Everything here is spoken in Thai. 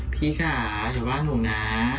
พี่ขาแค่ว่าหนูนะ